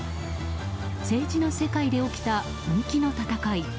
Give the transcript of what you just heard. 政治の世界で起きた本気の戦い。